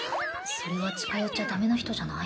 それは近寄っちゃダメな人じゃない？